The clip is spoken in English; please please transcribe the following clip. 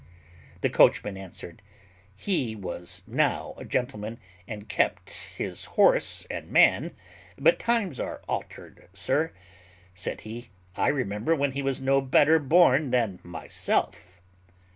The coachman answered, "He was now a gentleman, and kept his horse and man; but times are altered, master," said be; "I remember when he was no better born than myself."